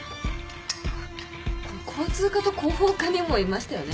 交通課と広報課にもいましたよね？